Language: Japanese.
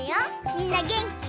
みんなげんき？